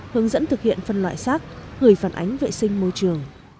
hướng dẫn thực hiện phân loại rác gửi phản ánh vệ sinh môi trường